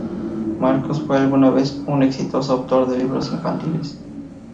Marcos fue alguna vez, un exitoso autor de libros infantiles.